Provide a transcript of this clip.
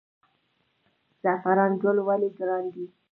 زعفران ګل ولې ګران دی؟